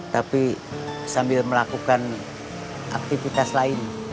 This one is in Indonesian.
tapi sambil melakukan aktivitas lain